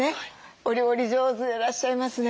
お料理上手でいらっしゃいますね。